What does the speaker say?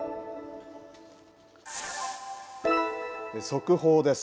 速報です。